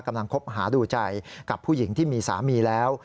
คบหาดูใจกับผู้หญิงที่มีสามีแล้ว